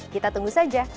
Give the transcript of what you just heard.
kita tunggu saja